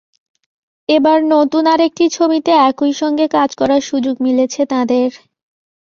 এবার নতুন আরেকটি ছবিতে একই সঙ্গে কাজ করার সুযোগ মিলেছে তাঁদের।